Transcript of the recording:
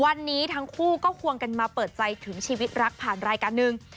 วันนี้ทั้งคู่ก็ควงกันมาเปิดใจถึงชีวิตรักผ่านรายการหนึ่ง